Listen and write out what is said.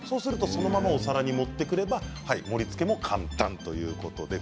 そのままお皿に盛りつければ盛りつけも簡単ということです。